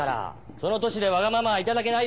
その年でわがままはいただけないですよ。